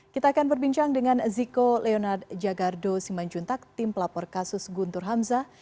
kita akan berbincang dengan ziko leonard jagardo simanjuntak tim pelapor kasus guntur hamzah